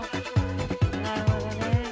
なるほどね。